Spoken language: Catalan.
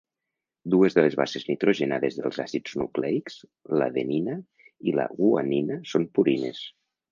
Dues de les bases nitrogenades dels àcids nucleics, l'adenina i la guanina, són purines.